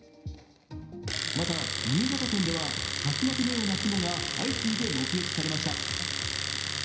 また新潟県では竜巻のような雲が相次いで目撃されました。